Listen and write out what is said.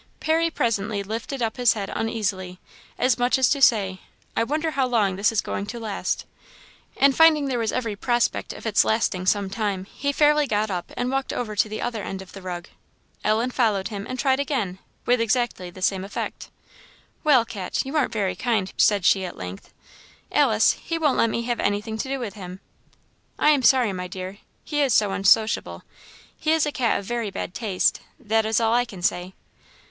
Parry presently lifted up his head uneasily, as much as to say, "I wonder how long this is going to last" and finding there was every prospect of its lasting some time, he fairly got up and walked over to the other end of the rug. Ellen followed him, and tried again, with exactly the same effect. "Well, cat! you aren't very kind," said she as length; "Alice, he won't let me have anything to do with him!" "I am sorry, my dear, he is so unsociable; he is a cat of very bad taste that is all I can say."